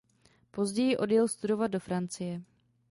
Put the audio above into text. Později odjel studovat do Francie.